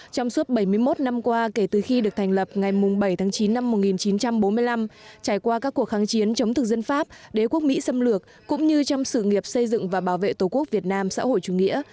trong suốt bảy mươi một năm qua kể từ khi được thành lập ngày bảy tháng chín năm một nghìn chín trăm bốn mươi năm trải qua các cuộc kháng chiến chống thực dân pháp đế quốc mỹ xâm lược cũng như trong sự nghiệp xây dựng và bảo vệ tổ quốc việt nam xã hội chủ nghĩa